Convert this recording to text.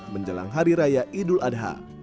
menjelang hari raya idul adha